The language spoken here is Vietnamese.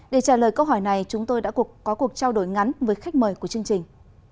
để trả lời câu hỏi này chúng tôi đã có cuộc trao đổi ngắn với khách mời của chương trình